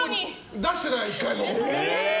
出してない、１回も。